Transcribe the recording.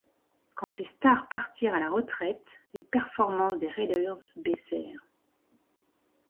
Quand ces stars partirent à la retraite, les performances des Raiders baissèrent.